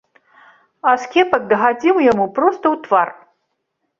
Аскепак дагадзіў яму проста ў твар.